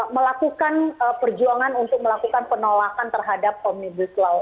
melakukan perjuangan untuk melakukan penolakan terhadap omnibus law